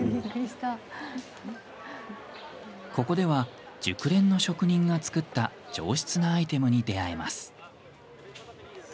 ここでは、熟練の職人が作った上質なアイテムに出会えます。